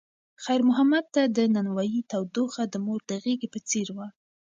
خیر محمد ته د نانوایۍ تودوخه د مور د غېږې په څېر وه.